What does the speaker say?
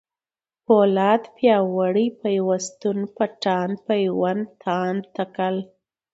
پولاد ، پیاوړی ، پيوستون ، پټان ، پېوند ، تاند ، تکل